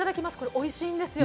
おいしいですよ。